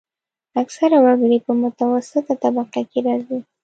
اکثره وګړي په متوسطه طبقه کې راځي.